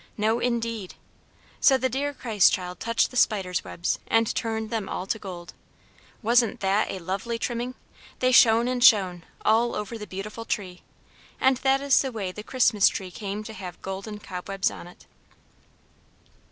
No, indeed. So the dear Christ child touched the spider's webs, and turned them all to gold! Wasn't that a lovely trimming? They shone and shone, all over the beautiful tree. And that is the way the Christmas Tree came to have golden cobwebs on it.